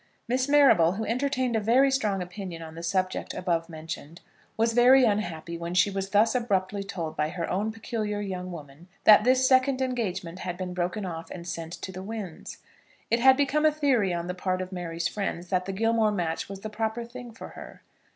Miss Marrable, who entertained a very strong opinion on the subject above mentioned, was very unhappy when she was thus abruptly told by her own peculiar young woman that this second engagement had been broken off and sent to the winds. It had become a theory on the part of Mary's friends that the Gilmore match was the proper thing for her.